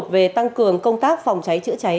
về tăng cường công tác phòng cháy chữa cháy